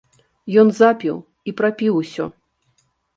Ён запіў і прапіў усё.